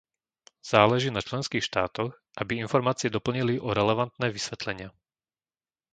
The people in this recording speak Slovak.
Záleží na členských štátoch, aby informácie doplnili o relevantné vysvetlenia.